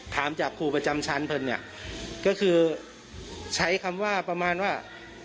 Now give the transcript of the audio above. ถามจากครูประจำชั้นเพลินเนี่ยก็คือใช้คำว่าประมาณว่า